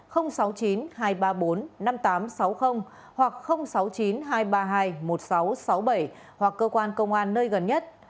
hoặc sáu mươi chín hai trăm ba mươi hai một nghìn sáu trăm sáu mươi bảy hoặc cơ quan công an nơi gần nhất